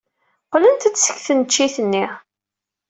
Qqlent-d seg tneččit-nni.